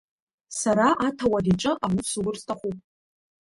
Сара аҭауад иҿы аус зур сҭахуп.